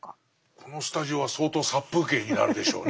このスタジオは相当殺風景になるでしょうね。